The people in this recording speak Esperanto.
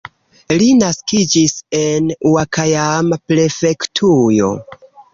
Li naskiĝis en Ŭakajama-prefektujo.